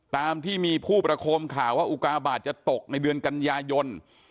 ตามที่มีผู้ประคมข่าวว่าอุกาบาทจะตกในเดือนกันยายน